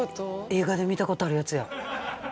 映画で見た事あるやつや。